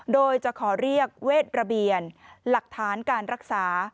โดยจะขอเรียกเวทระเบียนหลักฐานการรักษา